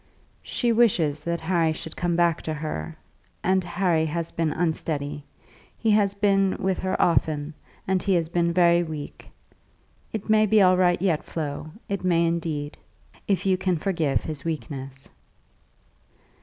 "She wishes that Harry should come back to her, and Harry has been unsteady. He has been with her often; and he has been very weak. It may be all right yet, Flo; it may indeed, if you can forgive his weakness."